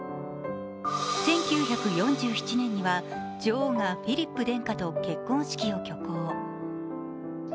１９４７年には女王がフィリップ殿下と結婚式を挙行。